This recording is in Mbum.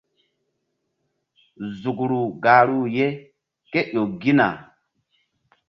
Zukru gahru ye ke ƴo gina.